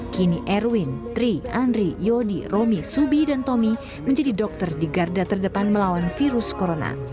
kini erwin tri andri yodi romi subi dan tommy menjadi dokter di garda terdepan melawan virus corona